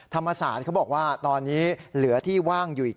ธรรมศาสตร์เขาบอกว่าตอนนี้เหลือที่ว่างอยู่อีก